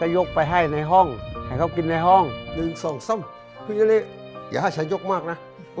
อย่าให้ฉันยกมากนะ